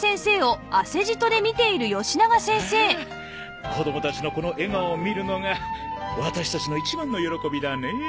ああ子供たちのこの笑顔を見るのがワタシたちの一番の喜びだねえ。